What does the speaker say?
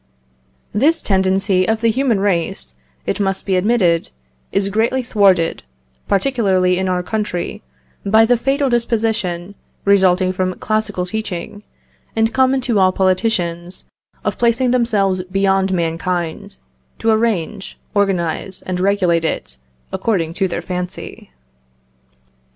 This tendency of the human race, it must be admitted, is greatly thwarted, particularly in our country, by the fatal disposition, resulting from classical teaching, and common to all politicians, of placing themselves beyond mankind, to arrange, organise, and regulate it, according to their fancy.